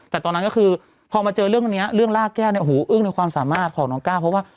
แต่ตอนนั้นก็คือพอมาเจอเรื่องนี้เรื่องล่าแก้วเนี่ยหูอึ้งในความสามารถของน้องก้าวเพราะว่า